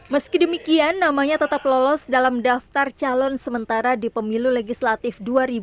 meski demikian namanya tetap lolos dalam daftar calon sementara di pemilu legislatif dua ribu sembilan belas